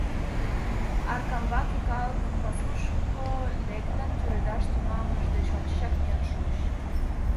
Аркамбаке калыкын, пасушко лектын, тӱредаш тӱҥалмыж деч ончычак миен шуыч.